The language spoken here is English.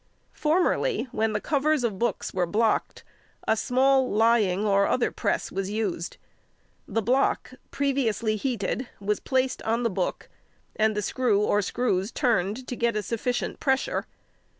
Formerly, when the covers of books were blocked, a |150| small lying or other press was used. The block, previously heated, was placed on the book, and the screw or screws turned to get a sufficient pressure.